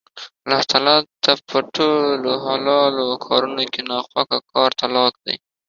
الله تعالی ته په ټولو حلالو کارونو کې نا خوښه کار طلاق دی